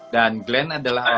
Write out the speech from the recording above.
dan glenn adalah